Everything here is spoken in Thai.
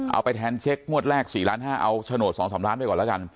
เอาไปแทนเช็คงวดแรก๔ล้าน๕เอาโฉนด๒๓ล้านไปก่อนแล้วกัน